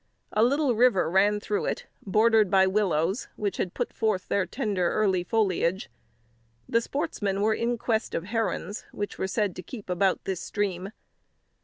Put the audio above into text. A little river ran through it, bordered by willows, which had put forth their tender early foliage. The sportsmen were in quest of herons, which were said to keep about this stream.